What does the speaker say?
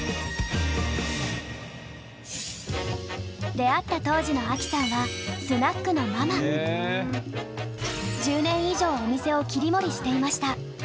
出会った当時のアキさんは１０年以上お店を切り盛りしていました。